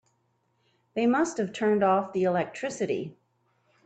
They must have turned off the electricity.